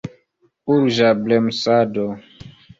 Urĝa bremsado!